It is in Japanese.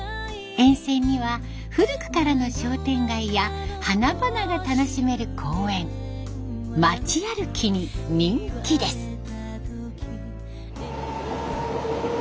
沿線には古くからの商店街や花々が楽しめる公園町歩きに人気です。